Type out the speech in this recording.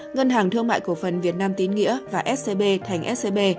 ngân hàng thương mại cổ phần việt nam tín nghĩa và scb thành scb